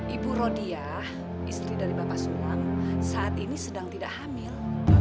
ibu rodiah istri dari bapak suam saat ini sedang tidak hamil